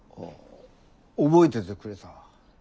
覚えててくれた？